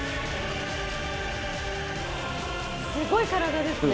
すごい体ですね。